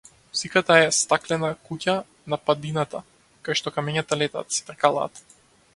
Музиката е стаклена куќа на падината кај што камењата летаат, се тркалаат.